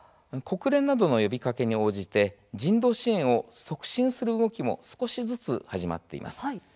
国連などの呼びかけに応じて人道支援を促進する動きも少しずつ始まっています。